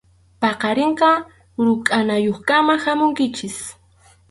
Paqarinqa rukʼanayuqkama hamunkichik.